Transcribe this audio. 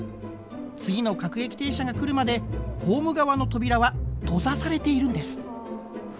次の各駅停車が来るまでホーム側の扉は閉ざされているんです。